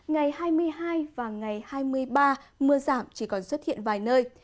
ngày hai mươi hai và ngày hai mươi ba mưa giảm chỉ còn xuất hiện vài nơi